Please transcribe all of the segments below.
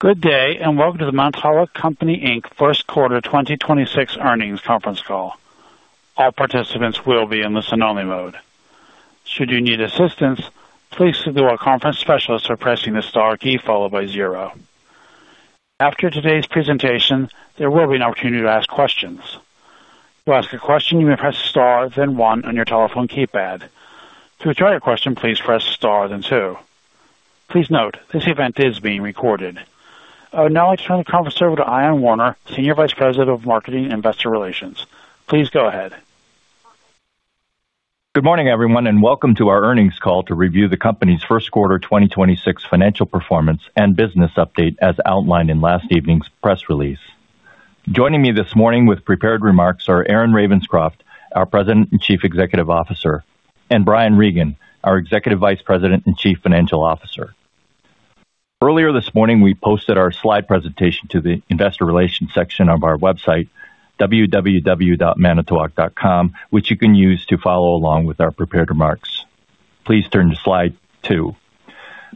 Good day, and welcome to The Manitowoc Company, Inc. first quarter 2026 earnings conference call. All participants will be in listen-only mode. Should you need assistance, please contact the conference specialist by pressing the star key followed by zero. After today's presentation, there will be an opportunity to ask questions. To ask a question, you may press star then one on your telephone keypad. To withdraw a question, please press star then two. Please note, this event is being recorded. I would now like to turn the conference over to Ion Warner, Senior Vice President of Marketing and Investor Relations. Please go ahead. Good morning, everyone, and welcome to our earnings call to review the company's first quarter 2026 financial performance and business update as outlined in last evening's press release. Joining me this morning with prepared remarks are Aaron Ravenscroft, our President and Chief Executive Officer, and Brian Regan, our Executive Vice President and Chief Financial Officer. Earlier this morning, we posted our slide presentation to the investor relations section of our website, www.manitowoc.com, which you can use to follow along with our prepared remarks. Please turn to slide two.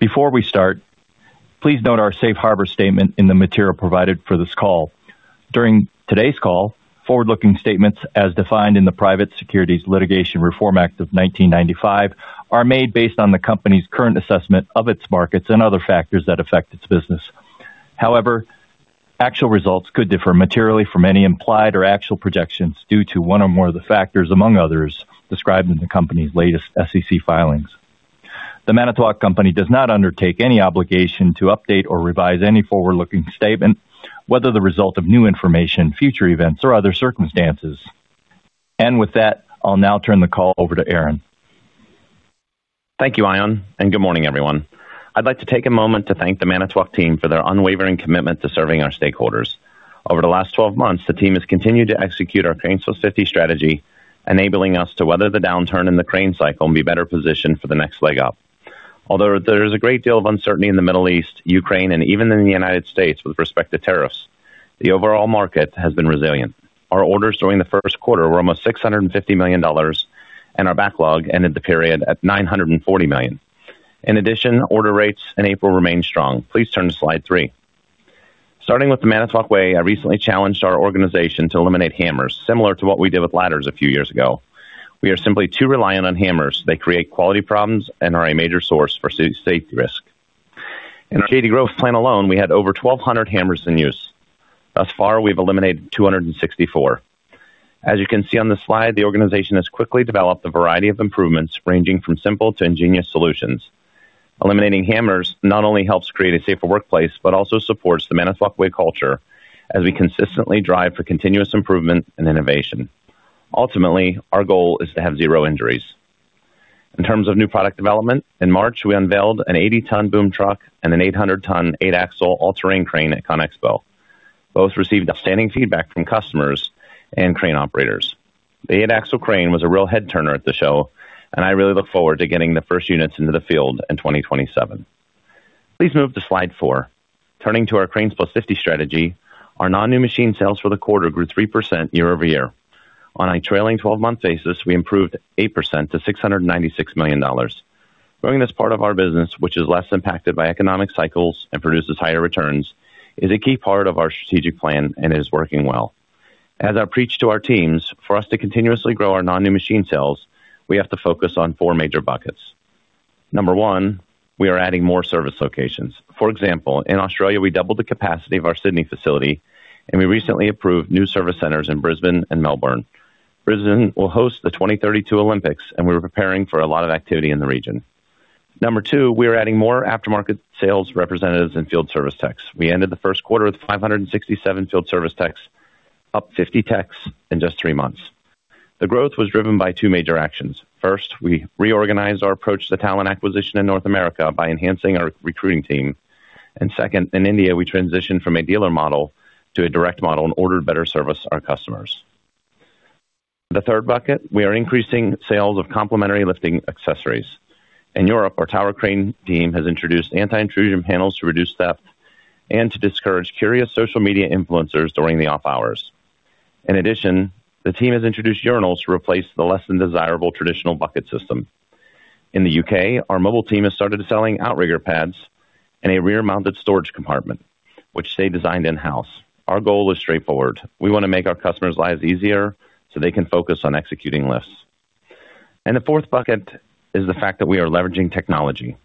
Before we start, please note our safe harbor statement in the material provided for this call. During today's call, forward-looking statements, as defined in the Private Securities Litigation Reform Act of 1995, are made based on the company's current assessment of its markets and other factors that affect its business. However, actual results could differ materially from any implied or actual projections due to one or more of the factors, among others, described in the company's latest SEC filings. The Manitowoc Company does not undertake any obligation to update or revise any forward-looking statement, whether the result of new information, future events, or other circumstances. With that, I'll now turn the call over to Aaron. Thank you, Ion. Good morning, everyone. I'd like to take a moment to thank the Manitowoc team for their unwavering commitment to serving our stakeholders. Over the last 12 months, the team has continued to execute our CRANES+50 strategy, enabling us to weather the downturn in the crane cycle and be better positioned for the next leg up. Although there is a great deal of uncertainty in the Middle East, Ukraine, and even in the United States with respect to tariffs, the overall market has been resilient. Our orders during the first quarter were almost $650 million, and our backlog ended the period at $940 million. In addition, order rates in April remain strong. Please turn to slide three. Starting with The Manitowoc Way, I recently challenged our organization to eliminate hammers, similar to what we did with ladders a few years ago. We are simply too reliant on hammers. They create quality problems and are a major source for safety risk. In our Shady Grove plant alone, we had over 1,200 hammers in use. Thus far, we've eliminated 264. As you can see on the slide, the organization has quickly developed a variety of improvements, ranging from simple to ingenious solutions. Eliminating hammers not only helps create a safer workplace, also supports The Manitowoc Way culture as we consistently drive for continuous improvement and innovation. Ultimately, our goal is to have zero injuries. In terms of new product development, in March, we unveiled an 80-ton boom truck and an 800-ton eight-axle all-terrain crane at CONEXPO. Both received outstanding feedback from customers and crane operators. The eight-axle crane was a real head turner at the show. I really look forward to getting the first units into the field in 2027. Please move to slide four. Turning to our CRANES+50 strategy, our non-new machine sales for the quarter grew 3% year-over-year. On a trailing 12-month basis, we improved 8% to $696 million. Growing this part of our business, which is less impacted by economic cycles and produces higher returns, is a key part of our strategic plan and is working well. As I preach to our teams, for us to continuously grow our non-new machine sales, we have to focus on four major buckets. Number one, we are adding more service locations. For example, in Australia, we doubled the capacity of our Sydney facility. We recently approved new service centers in Brisbane and Melbourne. Brisbane will host the 2032 Olympics. We're preparing for a lot of activity in the region. Number two, we are adding more aftermarket sales representatives and field service techs. We ended the first quarter with 567 field service techs, up 50 techs in just three months. The growth was driven by two major actions. First, we reorganized our approach to talent acquisition in North America by enhancing our recruiting team. Second, in India, we transitioned from a dealer model to a direct model in order to better service our customers. The third bucket, we are increasing sales of complementary lifting accessories. In Europe, our tower crane team has introduced anti-intrusion panels to reduce theft and to discourage curious social media influencers during the off-hours. In addition, the team has introduced urinals to replace the less than desirable traditional bucket system. In the U.K., our mobile team has started selling outrigger pads and a rear-mounted storage compartment, which they designed in-house. Our goal is straightforward. We want to make our customers' lives easier so they can focus on executing lifts. The fourth bucket is the fact that we are leveraging technology.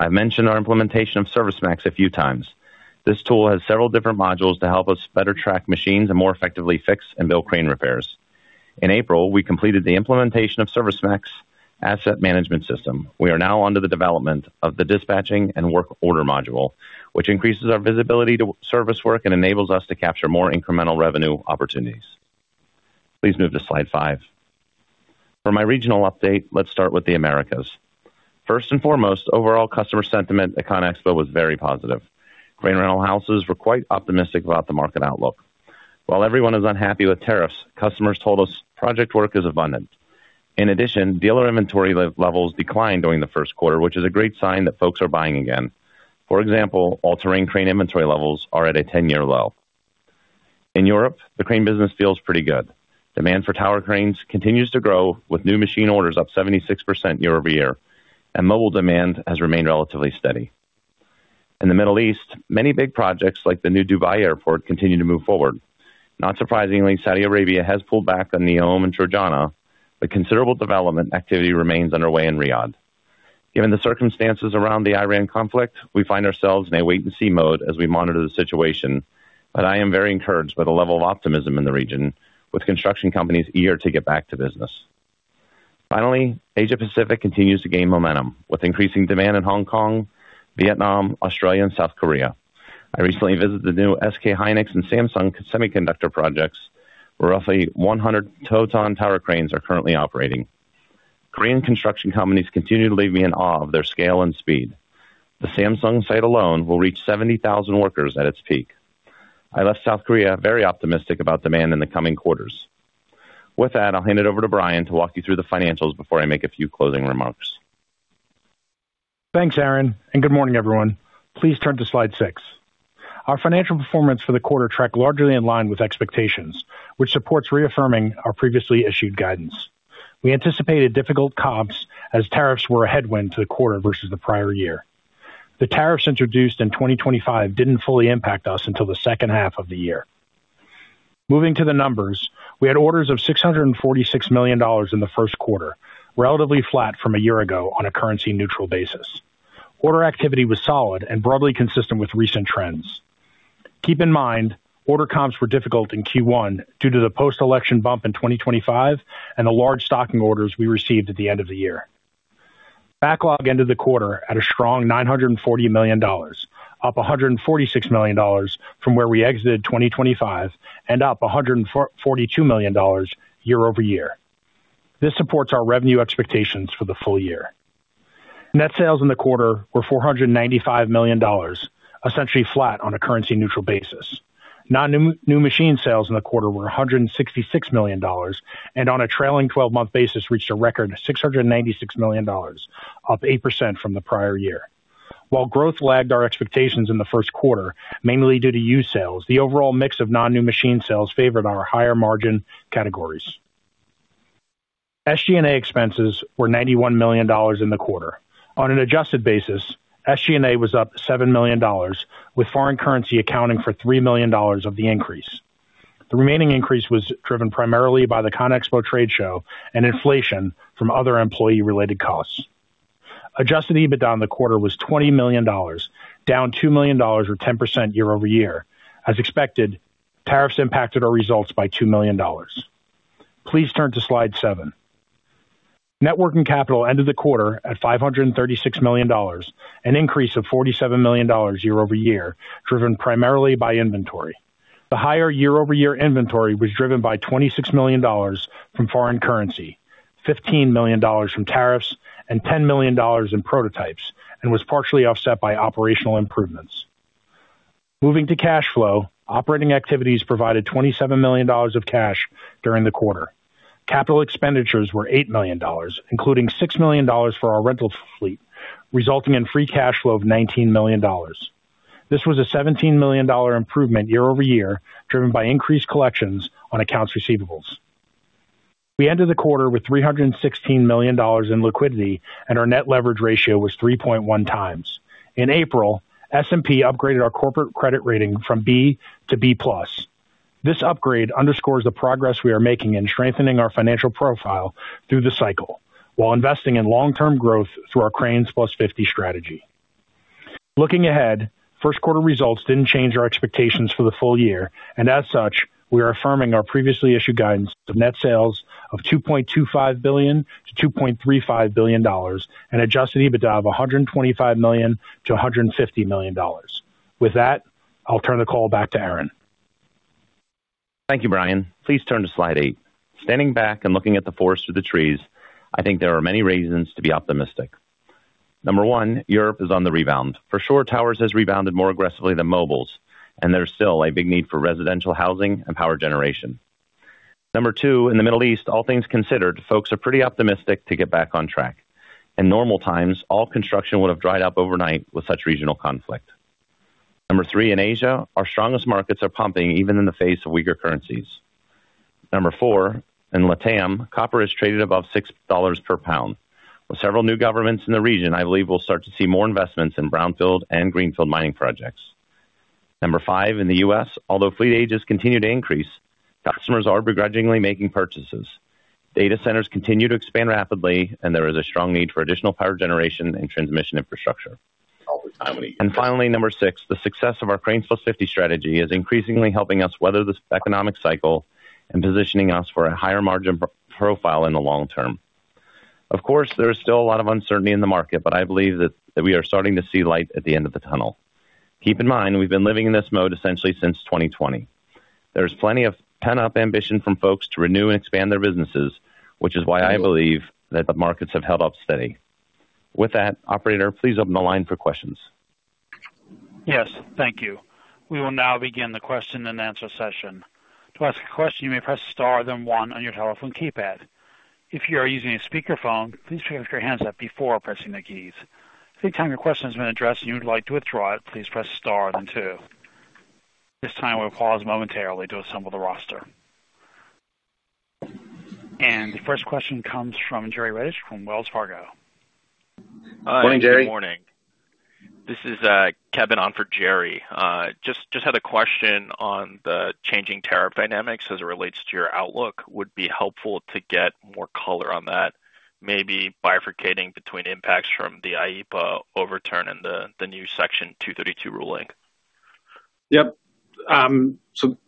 I mentioned our implementation of ServiceMax a few times. This tool has several different modules to help us better track machines and more effectively fix and bill crane repairs. In April, we completed the implementation of ServiceMax Asset Management System. We are now onto the development of the dispatching and work order module, which increases our visibility to service work and enables us to capture more incremental revenue opportunities. Please move to slide five. For my regional update, let's start with the Americas. First and foremost, overall customer sentiment at CONEXPO was very positive. Crane rental houses were quite optimistic about the market outlook. While everyone is unhappy with tariffs, customers told us project work is abundant. In addition, dealer inventory levels declined during the first quarter, which is a great sign that folks are buying again. For example, all-terrain crane inventory levels are at a 10-year low. In Europe, the crane business feels pretty good. Demand for tower cranes continues to grow with new machine orders up 76% year-over-year, and mobile demand has remained relatively steady. In the Middle East, many big projects like the new Dubai Airport continue to move forward. Not surprisingly, Saudi Arabia has pulled back on Neom and Trojena, considerable development activity remains underway in Riyadh. Given the circumstances around the Iran conflict, we find ourselves in a wait and see mode as we monitor the situation. I am very encouraged by the level of optimism in the region, with construction companies eager to get back to business. Finally, Asia Pacific continues to gain momentum, with increasing demand in Hong Kong, Vietnam, Australia, and South Korea. I recently visited the new SK hynix and Samsung semiconductor projects, where roughly 100 Potain tower cranes are currently operating. Korean construction companies continue to leave me in awe of their scale and speed. The Samsung site alone will reach 70,000 workers at its peak. I left South Korea very optimistic about demand in the coming quarters. With that, I'll hand it over to Brian to walk you through the financials before I make a few closing remarks. Thanks, Aaron. Good morning, everyone. Please turn to slide six. Our financial performance for the quarter tracked largely in line with expectations, which supports reaffirming our previously issued guidance. We anticipated difficult comps as tariffs were a headwind to the quarter versus the prior year. The tariffs introduced in 2025 didn't fully impact us until the second half of the year. Moving to the numbers, we had orders of $646 million in the first quarter, relatively flat from a year ago on a currency-neutral basis. Order activity was solid and broadly consistent with recent trends. Keep in mind, order comps were difficult in Q1 due to the post-election bump in 2025 and the large stocking orders we received at the end of the year. Backlog ended the quarter at a strong $940 million, up $146 million from where we exited 2025 and up $142 million year-over-year. This supports our revenue expectations for the full year. Net sales in the quarter were $495 million, essentially flat on a currency-neutral basis. non-new machine sales in the quarter were $166 million, and on a trailing 12-month basis reached a record $696 million, up 8% from the prior year. While growth lagged our expectations in the first quarter, mainly due to used sales, the overall mix of non-new machine sales favored our higher margin categories. SG&A expenses were $91 million in the quarter. On an adjusted basis, SG&A was up $7 million, with foreign currency accounting for $3 million of the increase. The remaining increase was driven primarily by the CONEXPO trade show and inflation from other employee-related costs. Adjusted EBITDA in the quarter was $20 million, down $2 million or 10% year-over-year. As expected, tariffs impacted our results by $2 million. Please turn to slide seven. Net working capital ended the quarter at $536 million, an increase of $47 million year-over-year, driven primarily by inventory. The higher year-over-year inventory was driven by $26 million from foreign currency, $15 million from tariffs, and $10 million in prototypes, and was partially offset by operational improvements. Moving to cash flow, operating activities provided $27 million of cash during the quarter. Capital expenditures were $8 million, including $6 million for our rental fleet, resulting in free cash flow of $19 million. This was a $17 million improvement year-over-year, driven by increased collections on accounts receivables. We ended the quarter with $316 million in liquidity, and our net leverage ratio was 3.1x. In April, S&P upgraded our corporate credit rating from B to B+. This upgrade underscores the progress we are making in strengthening our financial profile through the cycle while investing in long-term growth through our CRANES+50 strategy. Looking ahead, first quarter results didn't change our expectations for the full year, and as such, we are affirming our previously issued guidance of net sales of $2.25 billion-$2.35 billion and adjusted EBITDA of $125 million-$150 million. With that, I'll turn the call back to Aaron. Thank you, Brian. Please turn to slide eight. Standing back and looking at the forest through the trees, I think there are many reasons to be optimistic. Number one, Europe is on the rebound. For sure, towers has rebounded more aggressively than mobiles, and there's still a big need for residential housing and power generation. Number two, in the Middle East, all things considered, folks are pretty optimistic to get back on track. In normal times, all construction would have dried up overnight with such regional conflict. Number three, in Asia, our strongest markets are pumping even in the face of weaker currencies. Number four, in LATAM, copper is traded above $6 per pound. With several new governments in the region, I believe we'll start to see more investments in brownfield and greenfield mining projects. Number five, in the U.S., although fleet ages continue to increase, customers are begrudgingly making purchases. Data centers continue to expand rapidly, and there is a strong need for additional power generation and transmission infrastructure. Finally, number six, the success of our CRANES+50 strategy is increasingly helping us weather this economic cycle and positioning us for a higher margin profile in the long term. Of course, there is still a lot of uncertainty in the market, I believe that we are starting to see light at the end of the tunnel. Keep in mind, we've been living in this mode essentially since 2020. There's plenty of pent-up ambition from folks to renew and expand their businesses, which is why I believe that the markets have held up steady. With that, operator, please open the line for questions. Yes, thank you. We will now begin the question and answer session. To ask a question, you may press star then one on your telephone keypad. If you are using speakerphone, please lift your handset before pressing the keys. If you have a question you'd like to withdraw, please press star and two. This time we'll pause momentarily to assemble the roster. The first question comes from Jerry Revich from Wells Fargo. Morning, Jerry. Hi, good morning. This is Kevin on for Jerry. Just had a question on the changing tariff dynamics as it relates to your outlook. Would be helpful to get more color on that, maybe bifurcating between impacts from the IEEPA overturn and the new Section 232 ruling. Yep.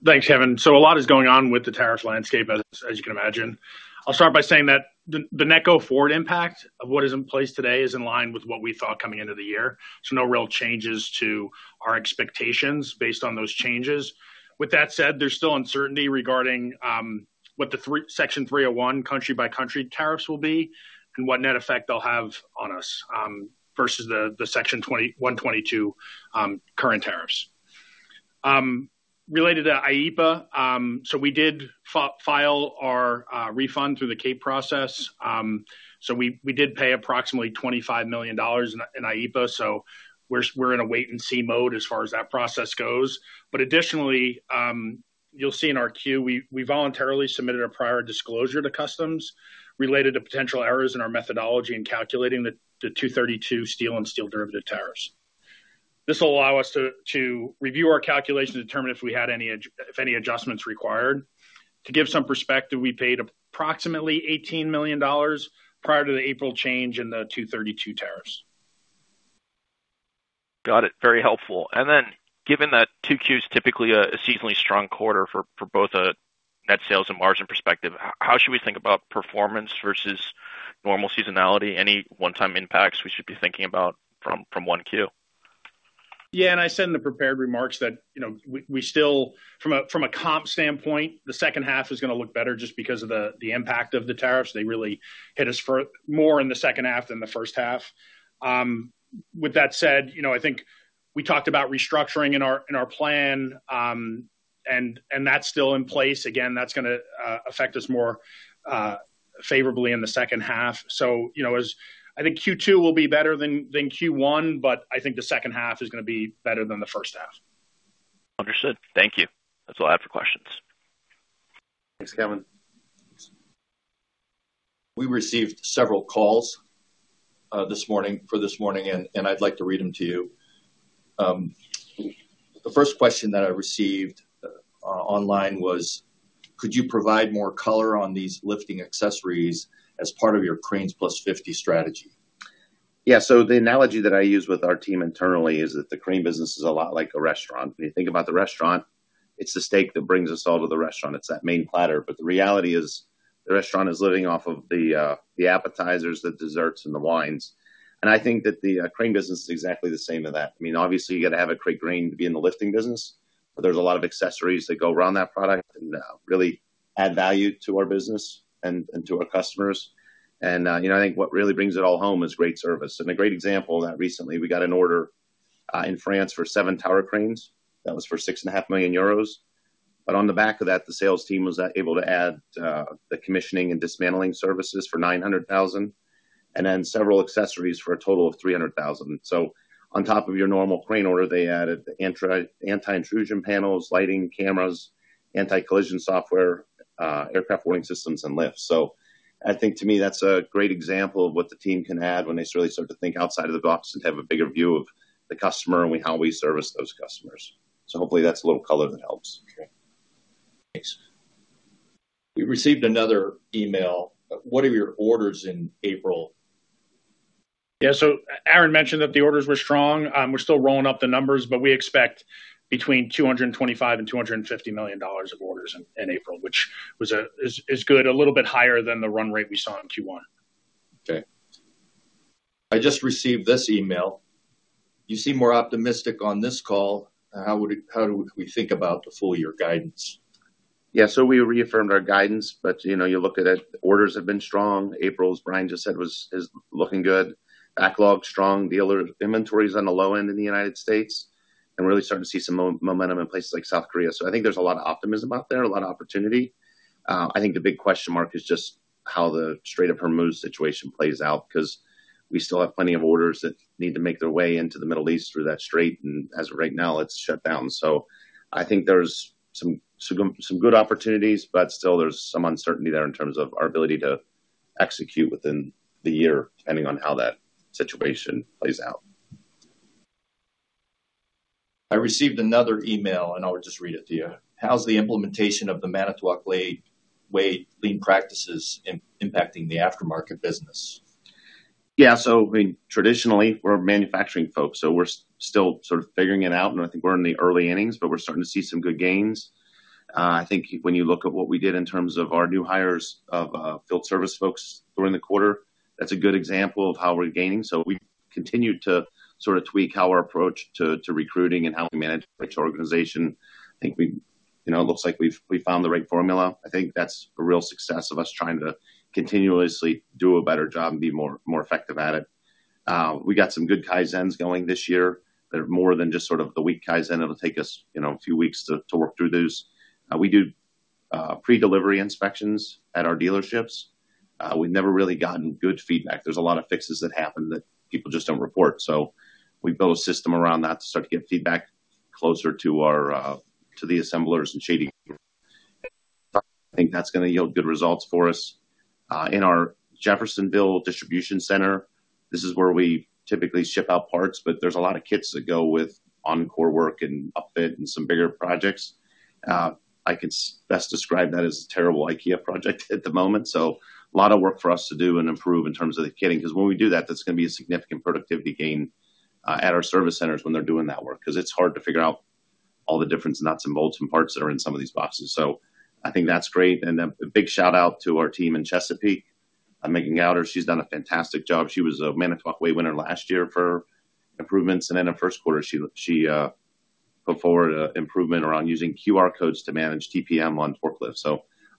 Thanks, Kevin. A lot is going on with the tariff landscape as you can imagine. I'll start by saying that the net go forward impact of what is in place today is in line with what we thought coming into the year. No real changes to our expectations based on those changes. With that said, there's still uncertainty regarding what Section 301 country by country tariffs will be and what net effect they'll have on us versus the Section 232 current tariffs. Related to IEEPA, we did file our refund through the CAPE process. We did pay approximately $25 million in IEEPA, we're in a wait and see mode as far as that process goes. Additionally, you'll see in our Q, we voluntarily submitted a prior disclosure to customs related to potential errors in our methodology in calculating the Section 232 steel and steel derivative tariffs. This will allow us to review our calculation to determine if any adjustments required. To give some perspective, we paid approximately $18 million prior to the April change in the Section 232 tariffs. Got it. Very helpful. Given that 2Q is typically a seasonally strong quarter for both a net sales and margin perspective, how should we think about performance versus normal seasonality? Any one-time impacts we should be thinking about from 1Q? I said in the prepared remarks that, you know, we still from a comp standpoint, the second half is gonna look better just because of the impact of the tariffs. They really hit us for more in the second half than the first half. With that said, you know, I think we talked about restructuring in our plan, and that's still in place. Again, that's gonna affect us more favorably in the second half. You know, as I think Q2 will be better than Q1, but I think the second half is gonna be better than the first half. Understood. Thank you. That's all I have for questions. Thanks, Kevin. We received several calls this morning, and I'd like to read them to you. The first question that I received online was: Could you provide more color on these lifting accessories as part of your CRANES+50 strategy? Yeah. The analogy that I use with our team internally is that the crane business is a lot like a restaurant. When you think about the restaurant, it's the steak that brings us all to the restaurant. It's that main platter. The reality is, the restaurant is living off of the appetizers, the desserts, and the wines. I think that the crane business is exactly the same to that. I mean, obviously, you gotta have a great crane to be in the lifting business, there's a lot of accessories that go around that product and really add value to our business and to our customers. You know, I think what really brings it all home is great service. A great example of that recently, we got an order in France for seven tower cranes. That was for 6.5 million euros. On the back of that, the sales team was able to add the commissioning and dismantling services for 900,000, and then several accessories for a total of 300,000. On top of your normal crane order, they added anti-intrusion panels, lighting cameras, anti-collision software, aircraft warning systems, and lifts. I think to me, that's a great example of what the team can add when they really start to think outside of the box and have a bigger view of the customer and how we service those customers. Hopefully, that's a little color that helps. Okay, thanks. We received another email. What are your orders in April? Yeah. Aaron mentioned that the orders were strong. We're still rolling up the numbers, but we expect between $225 million and $250 million of orders in April, which was good. A little bit higher than the run rate we saw in Q1. Okay. I just received this email. You seem more optimistic on this call. How do we think about the full year guidance? Yeah. We reaffirmed our guidance, but, you know, you look at it, orders have been strong. April, as Brian just said, is looking good. Backlog strong. Dealer inventory is on the low end in the U.S., and we're really starting to see some momentum in places like South Korea. I think there's a lot of optimism out there, a lot of opportunity. I think the big question mark is just how the Strait of Hormuz situation plays out, 'cause we still have plenty of orders that need to make their way into the Middle East through that strait, and as of right now, it's shut down. I think there's some good opportunities, but still there's some uncertainty there in terms of our ability to execute within the year, depending on how that situation plays out. I received another email. I'll just read it to you. How's the implementation of The Manitowoc Way lean practices impacting the aftermarket business? Yeah. I mean, traditionally we're manufacturing folks, so we're still sort of figuring it out, and I think we're in the early innings, but we're starting to see some good gains. I think when you look at what we did in terms of our new hires of field service folks during the quarter, that's a good example of how we're gaining. We've continued to sort of tweak how our approach to recruiting and how we manage the organization. I think we, you know, it looks like we've found the right formula. I think that's a real success of us trying to continuously do a better job and be more effective at it. We got some good Kaizen going this year. They're more than just sort of the week Kaizen. It'll take us, you know, a few weeks to work through those. We do pre-delivery inspections at our dealerships. We've never really gotten good feedback. There's a lot of fixes that happen that people just don't report. We built a system around that to start to get feedback closer to our, to the assemblers and [shading. I think that's gonna yield good results for us. In our Jeffersonville distribution center, this is where we typically ship out parts, but there's a lot of kits that go with EnCORE work and Upfit and some bigger projects. I could best describe that as a terrible IKEA project at the moment. A lot of work for us to do and improve in terms of the kitting, because when we do that's gonna be a significant productivity gain at our service centers when they're doing that work. Because it's hard to figure out all the different nuts and bolts and parts that are in some of these boxes. I think that's great. Then a big shout-out to our team in Chesapeake, Meghan Gowder. She's done a fantastic job. She was a The Manitowoc Way winner last year for improvements, and in the first quarter she put forward a improvement around using QR codes to manage TPM on forklifts.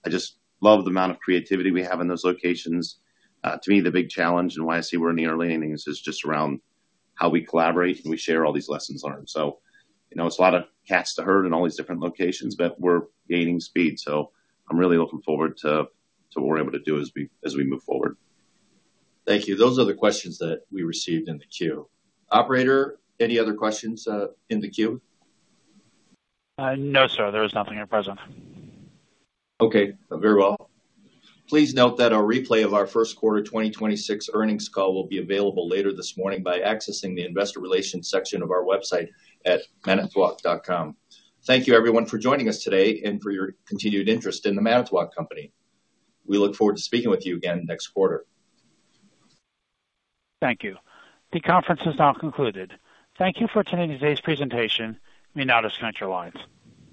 I just love the amount of creativity we have in those locations. To me, the big challenge and why I see we're in the early innings is just around how we collaborate and we share all these lessons learned. You know, it's a lot of cats to herd in all these different locations, but we're gaining speed. I'm really looking forward to what we're able to do as we move forward. Thank you. Those are the questions that we received in the queue. Operator, any other questions in the queue? No, sir. There is nothing at present. Okay. Very well. Please note that a replay of our first quarter 2026 earnings call will be available later this morning by accessing the investor relations section of our website at manitowoc.com. Thank you everyone for joining us today and for your continued interest in The Manitowoc Company. We look forward to speaking with you again next quarter. Thank you. The conference is now concluded. Thank you for attending today's presentation. You may now disconnect your lines.